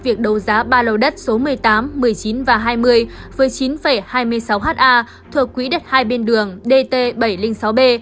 việc đấu giá ba lô đất số một mươi tám một mươi chín và hai mươi với chín hai mươi sáu ha thuộc quỹ đất hai bên đường dt bảy trăm linh sáu b